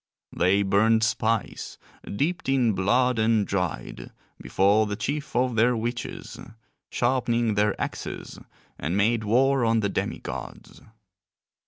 They burned spice, dipped in blood and dried, before the chief of their witches, sharpening their axes, and made war on the demi gods.